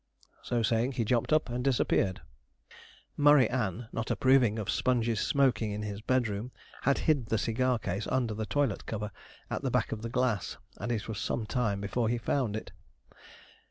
So saying, he jumped up and disappeared. Murry Ann, not approving of Sponge's smoking in his bedroom, had hid the cigar case under the toilet cover, at the back of the glass, and it was some time before he found it.